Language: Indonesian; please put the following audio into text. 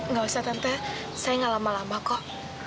gak usah tante saya gak lama lama kok